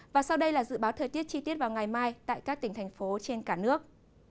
và sau đây là dự báo thời tiết chi tiết vào ngày mai tại các tỉnh thành phố trên cả nước